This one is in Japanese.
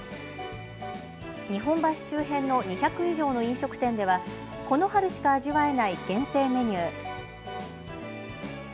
日本橋周辺の２００以上の飲食店ではこの春しか味わえない限定メニュー。